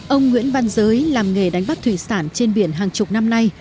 ông nguyễn văn giới làm nghề đánh bắt thủy sản trên biển hàng chục năm nay